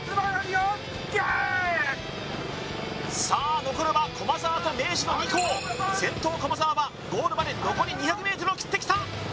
さあ残るは駒澤と明治の２校先頭駒澤はゴールまで残り２００ｍを切ってきた